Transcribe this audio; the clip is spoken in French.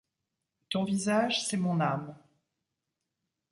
Ton visage, c’est mon âme.